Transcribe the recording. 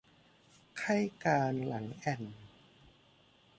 ไข้กาฬหลังแอ่น